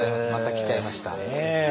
また来ちゃいました。